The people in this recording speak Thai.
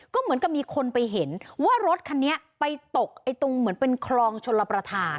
ก็เหมือนกับมีคนไปเห็นว่ารถคันนี้ไปตกตรงเหมือนเป็นคลองชลประธาน